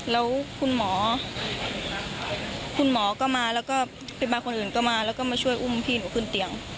แล้วคุณหมอคุณหมอก็มาแล้วก็พยาบาลคนอื่นก็มาแล้วก็มาช่วยอุ้มพี่หนูขึ้นเตียง